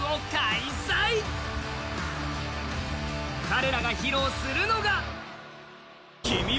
彼らが披露するのが更に